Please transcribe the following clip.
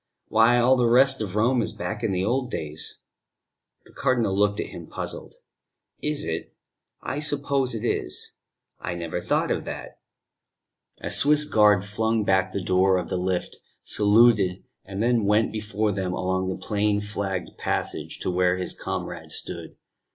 "Why, all the rest of Rome is back in the old days." The Cardinal looked at him, puzzled. "Is it? I suppose it is. I never thought of that." A Swiss guard flung back the door of the lift, saluted and went before them along the plain flagged passage to where his comrade stood.